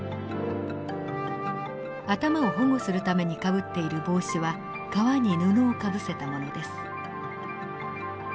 頭を保護するためにかぶっている帽子は革に布をかぶせたものです。